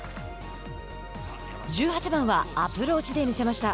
１８番はアプローチで見せました。